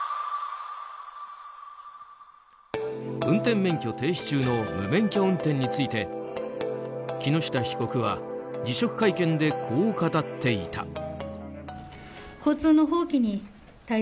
運転免許停止中の無免許運転について木下被告は辞職会見でこう語っていた。